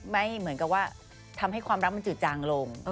ไม่เหมือนกับว่าทำให้ความรักมันจืดจางลง